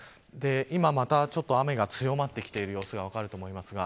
今またちょっと、雨が強くなっている様子が分かると思います。